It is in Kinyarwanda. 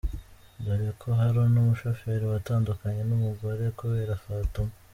Dore ko hari n’umushoferi watandukanye n’umugore kubera Fatuma!